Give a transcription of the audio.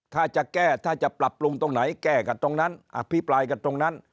ถ้าจะแก้ถ้าจะปรับปรุงตรงไหนแก้กันตรงนั้นอภิปรายกันตรงนั้น